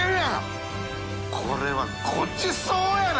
これはごちそうやな！